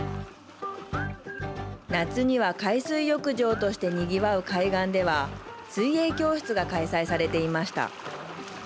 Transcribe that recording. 夏には海水浴場としてにぎわう海岸では水泳教室が開催されていました。